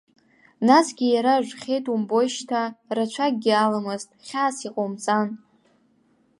Насгьы иара ажәхьеит умбои, шьҭа рацәакгьы аламызт, хьаас иҟоумҵан.